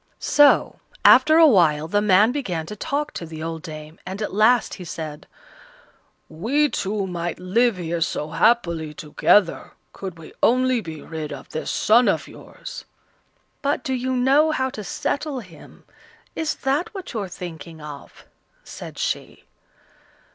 So, after a while, the man began to talk to the old dame, and at last he said: "We two might live here so happily together, could we only be rid of this son of yours." "But do you know how to settle him? Is that what you're thinking of?" said she.